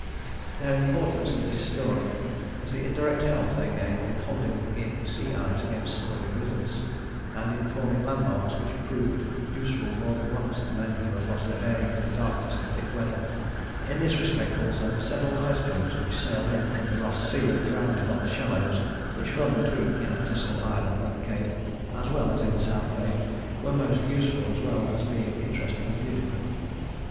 Their importance in this story is the indirect help they gave in holding in sea ice against southerly blizzards, and in forming landmarks which proved useful more than once to men who had lost their bearings in darkness and thick weather. In this respect also several icebergs which sailed in from the Ross Sea and grounded on the shallows which run between Inaccessible Island and the cape, as well as in South Bay, were most useful as well as being interesting and beautiful.